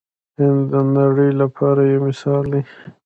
هند د نړۍ لپاره یو مثال دی.